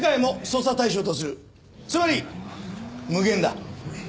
つまり無限だ。